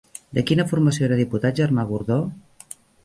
De quina formació era diputat Germà Gordó?